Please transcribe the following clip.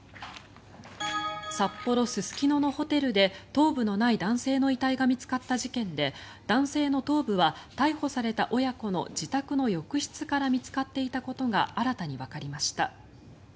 札幌・すすきののホテルで頭部のない男性の遺体が見つかった事件で男性の頭部は逮捕された親子の自宅の浴室から見つかっていたことが新たにわかりました。